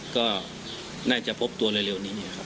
ก็น่าจะพบตัวเร็วนี้ครับ